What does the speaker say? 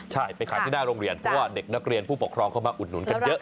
ใช่ไปขายที่หน้าโรงเรียนเพราะว่าเด็กนักเรียนผู้ปกครองเข้ามาอุดหนุนกันเยอะ